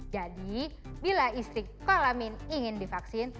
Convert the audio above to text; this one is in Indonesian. jadi bila istri kolamin ingin divaksin